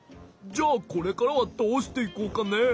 じゃあこれからはどうしていこうかねえ？